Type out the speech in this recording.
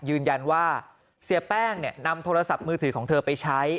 ยืนยันว่าเสียแป้งนำโทรศัพท์มือถือของเธอไปใช้